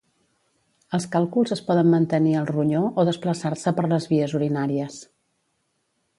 Els càlculs es poden mantenir al ronyó o desplaçar-se per les vies urinàries.